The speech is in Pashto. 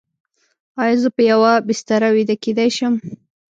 ایا زه په یوه بستر ویده کیدی شم؟